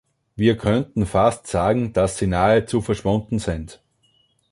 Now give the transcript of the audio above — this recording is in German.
Wir könnten fast sagen, dass sie nahezu verschwunden sind.